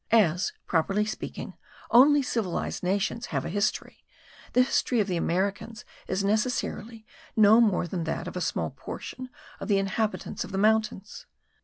As, properly speaking, only civilized nations have a history, the history of the Americans is necessarily no more than that of a small portion of the inhabitants of the mountains.